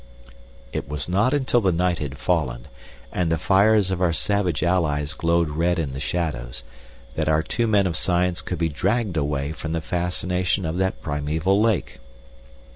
It was not until the night had fallen, and the fires of our savage allies glowed red in the shadows, that our two men of science could be dragged away from the fascinations of that primeval lake.